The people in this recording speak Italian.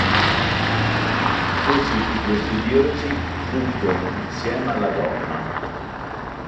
Così i due studiosi fuggono insieme alla donna.